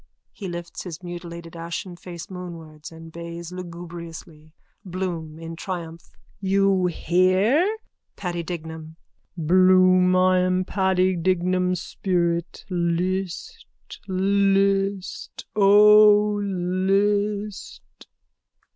(He lifts his mutilated ashen face moonwards and bays lugubriously.) BLOOM: (In triumph.) You hear? PADDY DIGNAM: Bloom, I am Paddy Dignam's spirit. List, list, O list!